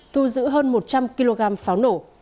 thu giữ hơn một trăm linh kg pháo nổ